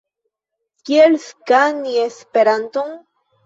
Kiel skani Esperanton?